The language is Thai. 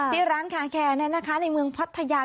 ที่ร้านคาแคร์เนี่ยนะคะในเมืองพัทยา